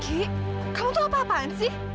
ki kamu tuh apa apaan sih